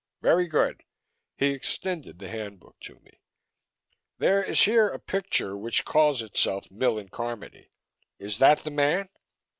"Very good." He extended the Handbook to me. "There is here a picture which calls itself Millen Carmody. Is that the man?"